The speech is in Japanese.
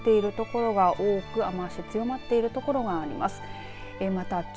北海道では雨の降っている所が多く雨足強まっている所があります。